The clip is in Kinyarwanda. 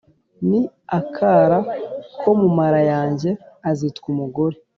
Ni akara ko mu mara yanjye, Azitwa Umugore